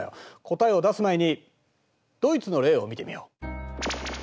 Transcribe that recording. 答えを出す前にドイツの例を見てみよう。